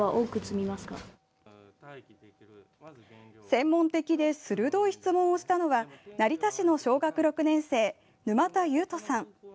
専門的で鋭い質問をしたのは成田市の小学６年生沼田悠叶さん。